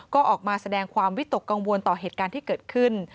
ก็ออกมาแสดงความวิตกกังวลต่อเหตุการณ์ที่เกิดขึ้น